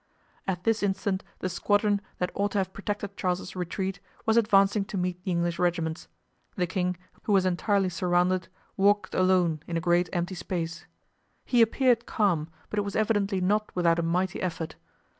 At this instant the squadron, that ought to have protected Charles's retreat, was advancing to meet the English regiments. The king, who was entirely surrounded, walked alone in a great empty space. He appeared calm, but it was evidently not without a mighty effort.